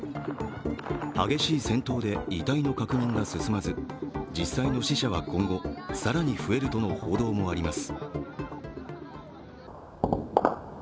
激しい戦闘で遺体の確認が進まず、実際の死者は今後更に増えるとの報道もあります。